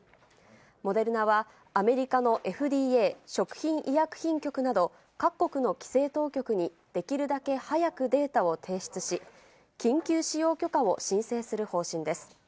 モデルナは、アメリカのＦＤＡ・食品医薬品局など、各国の規制当局に、できるだけ早くデータを提出し、緊急使用許可を申請する方針です。